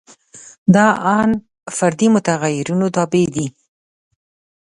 دا ان فردي متغیرونو تابع دي.